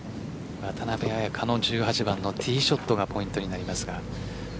渡邉彩香の１８番のティーショットがポイントになりますが。